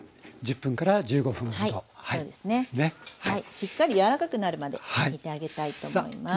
しっかり柔らかくなるまで煮てあげたいと思います。